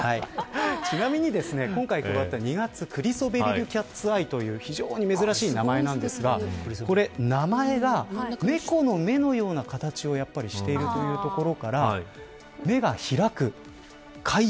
ちなみに、今回２月クリソベリル・キャッツ・アイと非常に珍しい名前なんですが猫の目のような形をしてるということから目が開く、開運。